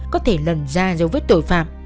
có thể lần ra giấu với tội phạm